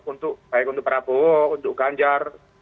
untuk baik untuk prabowo untuk ganjar